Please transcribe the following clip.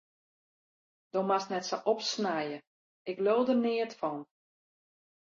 Do moatst net sa opsnije, ik leau der neat fan.